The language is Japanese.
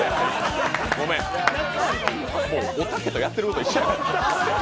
ごめん、もう、おたけとやっていることは一緒やねん。